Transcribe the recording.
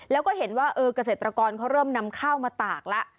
แล้วก็เห็นว่าเกษตรกรเขาเริ่มนำข้าวมาตากแล้ว